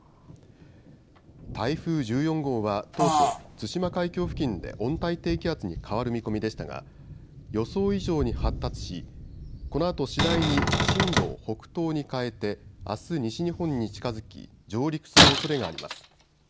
台風１４号は当初、対馬海峡付近で温帯低気圧に変わる見込みでしたが予想以上に発達しこのあと次第に進路を北東に変えてあす西日本に近づき上陸するおそれがあります。